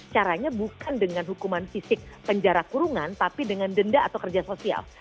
caranya bukan dengan hukuman fisik penjara kurungan tapi dengan denda atau kerja sosial